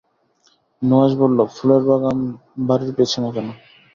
নুহাশ বলল, ফুলের বাগান বাড়ির পেছনে কেন?